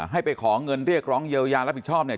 ให้ไปขอเงินเรียกร้องเยียวยารับผิดชอบเนี่ย